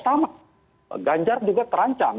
sama ganjar juga terancam